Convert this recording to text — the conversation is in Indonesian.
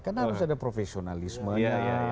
karena harus ada profesionalismenya